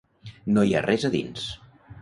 No hi ha res a dins.